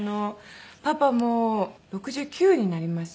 パパもう６９になりましたね